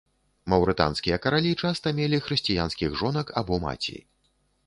Маўрытанскія каралі часта мелі хрысціянскіх жонак або маці.